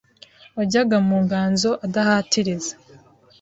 wajyaga mu nganzo adahatiriza.